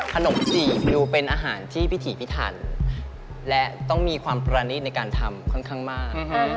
ขนมจีบิวเป็นอาหารที่พิถีพิถันและต้องมีความประณิตในการทำค่อนข้างมาก